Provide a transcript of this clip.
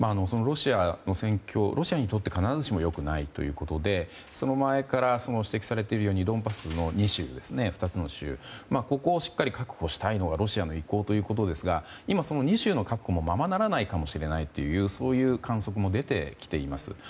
ロシアの戦況はロシアにとって、必ずしも良くないということでその前から指摘されているようにドンバスの２つの州ここをしっかり確保したいのがロシアの意向ということですが今、２州の確保もままならないかもしれないというそういう観測も出てきています。